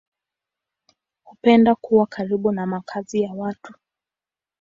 Hupenda kuwa karibu na makazi ya watu.